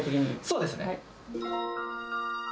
そうですね。